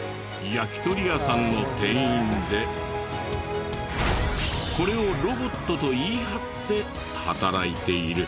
焼き鳥屋さんの店員でこれをロボットと言い張って働いている。